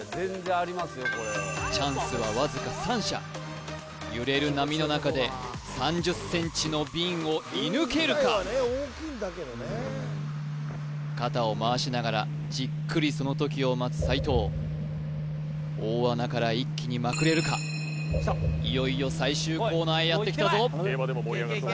チャンスはわずか３射揺れる波の中で３０ｃｍの瓶を射抜けるか肩を回しながらじっくりその時を待つ斉藤大穴から一気にまくれるかいよいよ最終コーナーへやってきたぞ